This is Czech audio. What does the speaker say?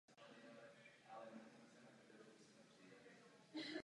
Své domácí zápasy hráli "Baroni" v tamní aréně Cedar Cox Convention Center.